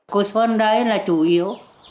cô xuân đấy là chủ yếu